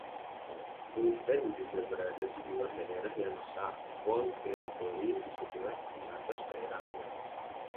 Bullpen juga berada di luar daerah yang sah (foul territory), di sebelah pembatas daerah luar.